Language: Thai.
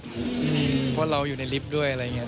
เพราะเราอยู่ในลิฟต์ด้วยอะไรอย่างนี้